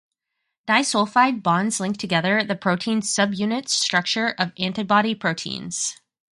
Disulfide bonds link together the protein subunits structure of antibody proteins.